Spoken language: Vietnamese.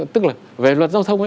tức là về luật giao thông ấy